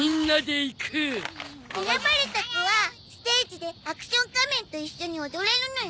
選ばれた子はステージでアクション仮面と一緒に踊れるのよ。